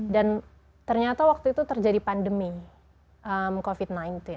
dan ternyata waktu itu terjadi pandemi covid sembilan belas